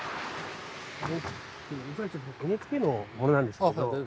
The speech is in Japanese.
実はちょっとＮＨＫの者なんですけど。